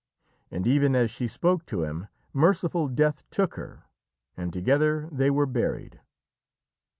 And even as she spoke to him, merciful Death took her, and together they were buried.